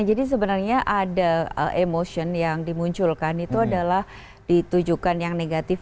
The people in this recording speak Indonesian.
sebenarnya ada emotion yang dimunculkan itu adalah ditujukan yang negatif